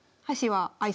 はい。